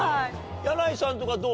箭内さんとかどう？